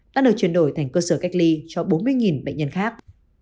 đã được chuyển đổi thành cơ sở cách ly cho bốn mươi bệnh nhân khác